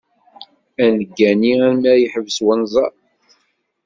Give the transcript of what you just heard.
Ad neggani arma yeḥbes unẓar.